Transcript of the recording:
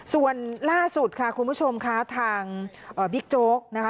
ส่วนล่าสุดค่ะคุณผู้ชมค่ะทางบิ๊กโจ๊กนะคะ